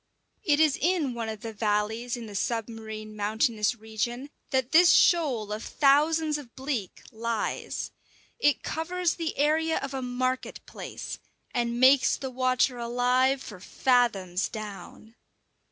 It is in one of the valleys in the submarine mountainous region that this shoal of thousands of bleak lies. It covers the area of a market place, and makes the water alive for fathoms down.